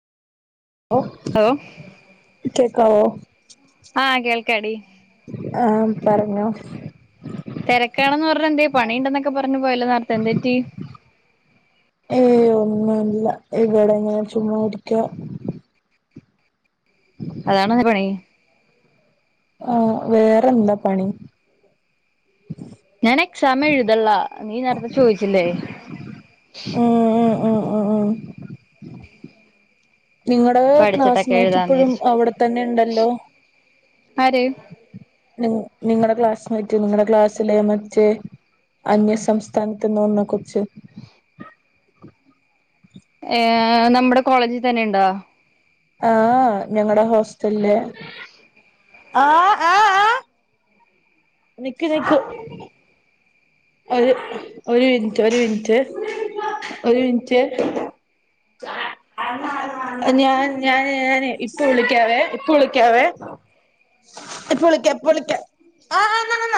O hello കേകാവോ ആഹ് കേൾക്കാടി ആഹ് പറഞ്ഞോ തെരക്കാണെന്ന് പറഞ്ഞന്തേ പണിണ്ടന്നൊക്കെ പറഞ് പോയല്ലോ നേർത്തെ എന്തേറ്റി ഏഹ് ഒന്നുല്ല ഇവിടെ ഇങ്ങനെ ചുമ്മാ ഇരിക്ക ഉം ഓനെന്താ പണി ആഹ് വേറെന്താ പണി ഞാനെക്സാം എഴുതില്ല നീ നേരത്തെ ചോയിച്ചില്ലേ ആഹ് അഹ് ആഹ് നിങ്ങടെ പഠിച്ചിട്ടൊക്കെ ക്ലാസ്മേറ്റ് എഴുതാന്ന് ഇപ്പഴും വിചാരിച്ചു അവിടെത്തന്നെ ഉണ്ടല്ലോ ആര് നി നിങ്ങടെ ക്ലാസ്മേറ്റ് നിങ്ങടെ ക്ലാസ്സിലെ മറ്റേ അന്യ സംസ്ഥാനത്ത്ന്ന വന്ന കൊച്ച്. ഏഹ് നമ്മുടെ കോളേജിൽ തന്നെ ഉണ്ടോ ആഹ് ഞങ്ങടെ ഹോസ്റ്റലിലെ. ആഹ് ആഹ് ആഹ് നിക്ക് നിക്ക്. ഒരു ഒരു മിനിട്ട് ഒരു മിനിട്ട് ഒരു മിനിട്ട്. ഞാൻ ഞാന് ഞാന് ഇപ്പ വിളിക്കാവേ ഇപ്പ വിളിക്കാവേ ഇപ്പ വിളിക്ക ഇപ്പ വിളിക്ക